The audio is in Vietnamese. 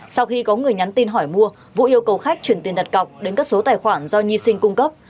sau khi có người nhắn tin hỏi mua vũ yêu cầu khách chuyển tiền đặt cọc đến các số tài khoản do nhi sinh cung cấp